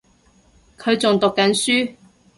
佢仲讀緊書